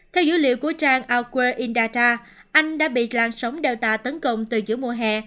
theo dữ liệu của trang outward indata anh đã bị làn sóng delta tấn công từ giữa mùa hè